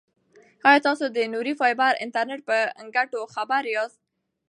ایا تاسو د نوري فایبر انټرنیټ په ګټو خبر یاست؟